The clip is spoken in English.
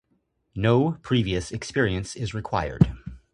No previous experience is required.